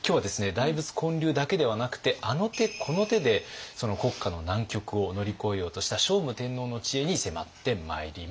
大仏建立だけではなくてあの手この手でその国家の難局を乗り越えようとした聖武天皇の知恵に迫ってまいります。